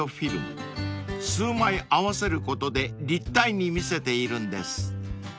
［数枚合わせることで立体に見せているんです］